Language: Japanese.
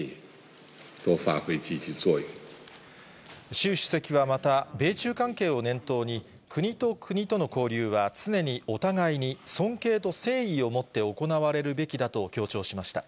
習主席はまた、米中関係を念頭に、国と国との交流は、常にお互いに尊敬と誠意を持って行われるべきだと強調しました。